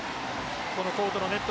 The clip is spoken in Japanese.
このコートのネット